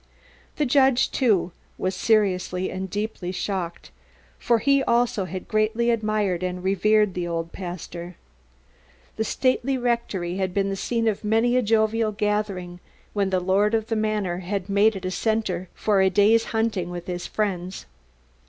The judge, too, was serious and deeply shocked, for he also had greatly admired and revered the old pastor. The stately rectory had been the scene of many a jovial gathering when the lord of the manor had made it a centre for a day's hunting with his friends.